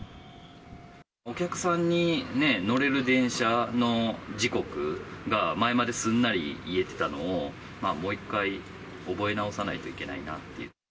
お客さんに、乗れる電車の時刻が、前まですんなり言えてたのを、もう一回、覚え直さないといけないなっていう。